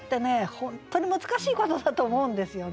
本当に難しいことだと思うんですよね。